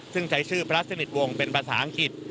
ซึ่งใช้ชื่อพระสนิทวงศ์เป็นภาษาอังกฤษ